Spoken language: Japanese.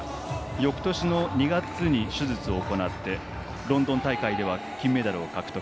よくとしの２月に手術を行ってロンドン大会では金メダルを獲得。